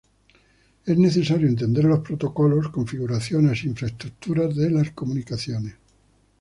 Es necesario entender los protocolos, configuraciones e infraestructura de las comunicaciones.